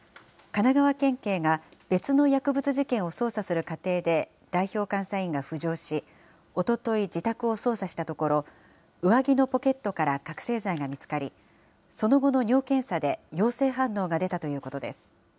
神奈川県警が別の薬物事件を捜査する過程で、代表監査委員が浮上し、おととい、自宅を捜査したところ、上着のポケットから覚醒剤が見つかり、その後の尿検査で陽性反応が出たということです。